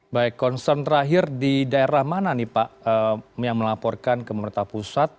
baik concern terakhir di daerah mana nih pak yang melaporkan ke pemerintah pusat